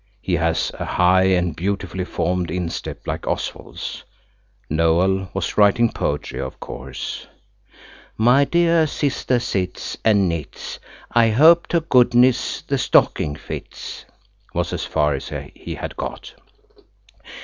He has a high and beautifully formed instep like Oswald's. Noël was writing poetry, of course. "My dear sister sits And knits, I hope to goodness the stocking fits," was as far as he had got.